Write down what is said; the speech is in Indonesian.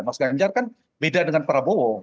mas ganjar kan beda dengan prabowo